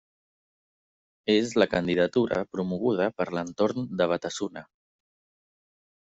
És la candidatura promoguda per l'entorn de Batasuna.